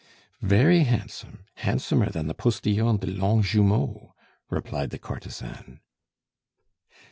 "Very handsome, handsomer than the Postillon de Longjumeau," replied the courtesan.